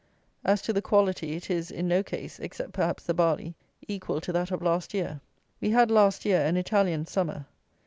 As to the quality, it is, in no case (except perhaps the barley), equal to that of last year. We had, last year, an Italian summer.